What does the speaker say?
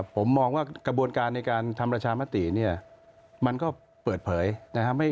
ผมมองว่ากระบวนการในการทำประชามติเนี่ยมันก็เปิดเผยนะครับ